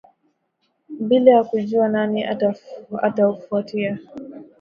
Bila ya kujua nani atafuatia